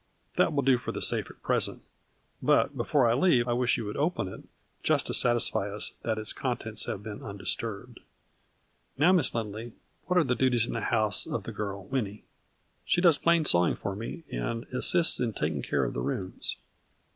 " That will do for the safe at present, but be fore I leave I wish you would open it, just to satisfy us that its contents have been undis turbed. Now, Miss Lindley, what are the duties in the house of the girl Winnie ?"" She does plain sewing for me and assists in taking care of the rooms."